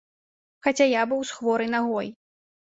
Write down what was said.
Хаця я быў з хворай нагой.